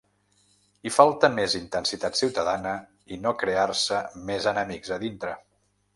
Hi falta més intensitat ciutadana i no crear-se més enemics a dintre.